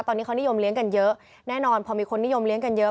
ตอนนี้เขานิยมเลี้ยงกันเยอะแน่นอนพอมีคนนิยมเลี้ยงกันเยอะ